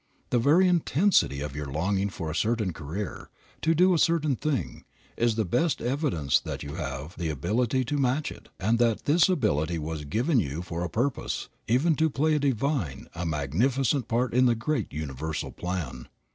The very intensity of your longing for a certain career, to do a certain thing, is the best evidence that you have the ability to match it, and that this ability was given you for a purpose, even to play a divine, a magnificent part in the great universal plan.